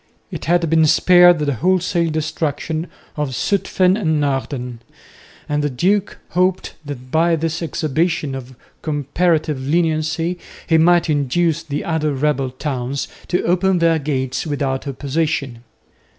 It had been spared the wholesale destruction of Zutphen and Naarden, and the duke hoped that by this exhibition of comparative leniency he might induce the other rebel towns to open their gates without opposition.